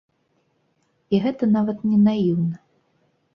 І гэта нават не наіўна.